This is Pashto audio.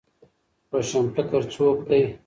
روشنفکر څوک دی؟